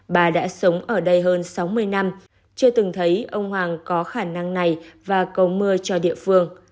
bà đã sống ở đây hơn sáu mươi năm chưa từng thấy ông hoàng có khả năng này và cầu mưa cho địa phương